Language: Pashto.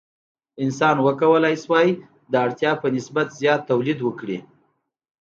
انسان وکولی شوای د اړتیا په نسبت زیات تولید وکړي.